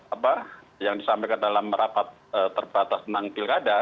apa yang disampaikan dalam rapat terbatas tentang pilkada